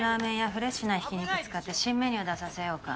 フレッシュなひき肉使って新メニュー出させようか。